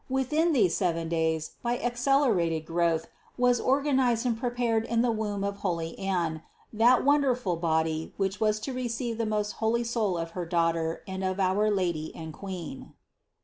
Within these seven days, by accelerated growth, was organized and prepared in the womb of holy Anne that wonderful body which was to receive the most holy soul of her Daughter and of our Lady and Queen.